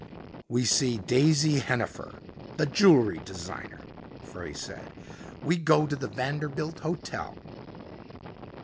"We see Daisy Hennifer, the jewelry designer," Frey said. "We go to the Vanderbilt Hotel."